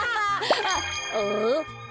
あっ？